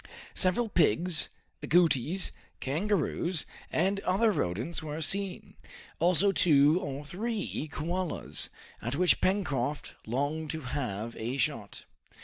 Several pigs, agoutis, kangaroos, and other rodents were seen, also two or three koalas, at which Pencroft longed to have a shot.